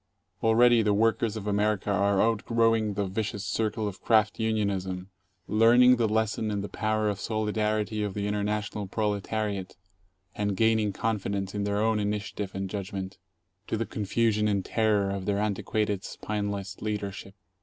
Already the workers of America are outgrowing the vicious circle of craft unionism, learning the lesson and the power of solidarity of the international proletariat, and gaining confidence in their own initia tive and judgment, to the confusion and terror of their antiquated, spineless leadership.